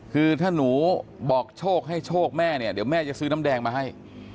คือถ้าหนูบอกโชคให้โชคแม่เนี่ยเดี๋ยวแม่จะซื้อน้ำแดงมาให้